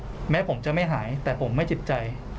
อัจภัยนี้ผมจะไม่หายแต่ผมไม่จิตใจ